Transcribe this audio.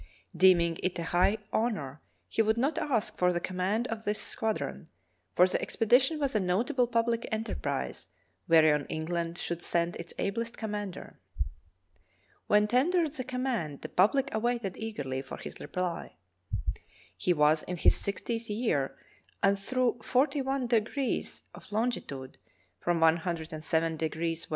Deeming it a high honor, he would not ask for the command of this squad ron, for the expedition was a notable public enterprise whereon England should send its ablest commander. When tendered the command the public awaited eagerly for his reply. He was in his sixtieth year, and through forty one degrees of longitude — from 107° W.